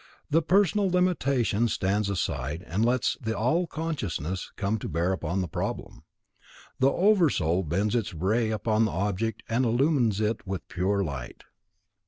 The personal limitation stands aside and lets the All consciousness come to bear upon the problem. The Oversoul bends its ray upon the object, and illumines it with pure light.